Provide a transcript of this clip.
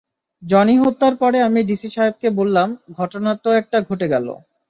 Johnny হত্যার পরে আমি ডিসি সাহেবকে বললাম, ঘটনা তো একটা ঘটে গেল।